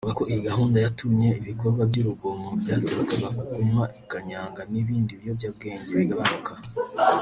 avuga ko iyo gahunda yatumye ibikorwa by’urugomo byaturukaga ku kunywa kanyanga n’ibindi biyobyabwenge bigabanuka